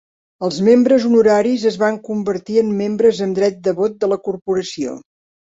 Els membres honoraris es van convertir en membres amb dret de vot de la corporació.